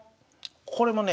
これもね